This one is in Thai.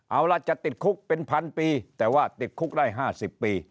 เอาล่ะจะติดคุกเป็นพันปีแต่ว่าติดคุกได้๕๐ปี